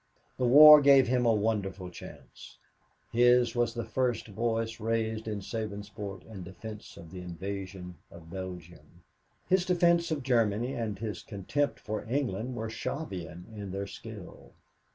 The war gave him a wonderful chance. His was the first voice raised in Sabinsport in defense of the invasion of Belgium. His defense of Germany and his contempt for England were Shavian in their skill.